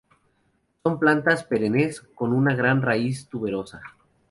Son plantas perennes, con una gran raíz tuberosa.